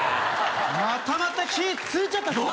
またまた火ついちゃったじゃん